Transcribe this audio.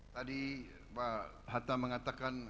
tadi pak hatta mengatakan